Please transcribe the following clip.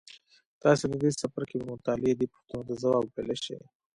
تاسې د دې څپرکي په مطالعې دې پوښتنو ته ځواب ویلای شئ.